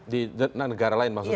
di negara lain maksudnya